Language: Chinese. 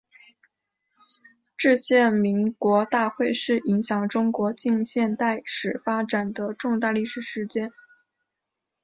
制宪国民大会是影响中国近现代史发展的重大历史事件。